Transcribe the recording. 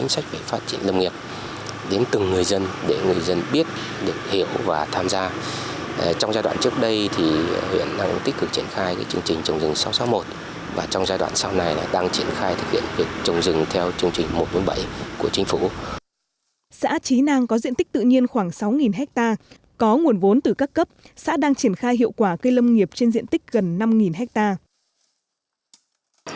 xã trí nang có diện tích tự nhiên khoảng sáu hectare có nguồn vốn từ các cấp xã đang triển khai hiệu quả cây lâm nghiệp trên diện tích gần năm hectare